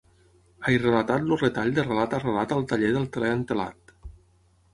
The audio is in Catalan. He relatat el retall de relat arrelat al taller del teler entelat.